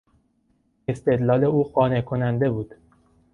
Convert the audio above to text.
استدلال او قانع کننده بود.